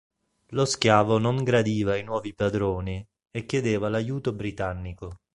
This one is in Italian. Lo schiavo non gradiva i nuovi padroni, e chiedeva l'aiuto britannico.